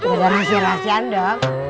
ada rahasia rahasian dong